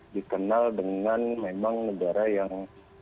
dikenal dengan memang negara yang